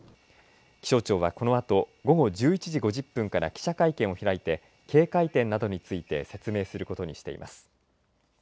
気象庁はこのあと午後１１時５０分から記者会見を開いて警戒点などについて説明することにしています。